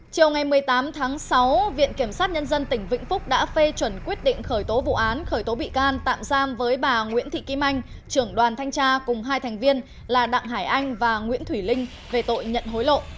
chiều ngày một mươi tám tháng sáu viện kiểm sát nhân dân tỉnh vĩnh phúc đã phê chuẩn quyết định khởi tố vụ án khởi tố bị can tạm giam với bà nguyễn thị kim anh trưởng đoàn thanh tra cùng hai thành viên là đặng hải anh và nguyễn thủy linh về tội nhận hối lộ